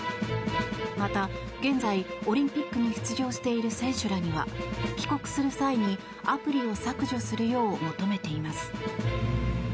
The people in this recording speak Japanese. また、現在、オリンピックに出場している選手らには帰国する際にアプリを削除するよう求めています。